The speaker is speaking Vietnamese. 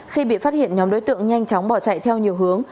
khi bị phát hiện nhóm đối tượng nhanh chóng bỏ chạy theo nhiều hướng